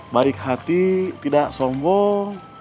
baik hati tidak sombong